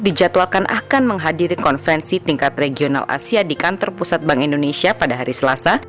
dijadwalkan akan menghadiri konferensi tingkat regional asia di kantor pusat bank indonesia pada hari selasa